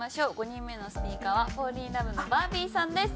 ５人目のスピーカーはフォーリンラブのバービーさんです。